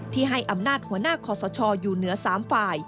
ให้อำนาจหัวหน้าคอสชอยู่เหนือ๓ฝ่าย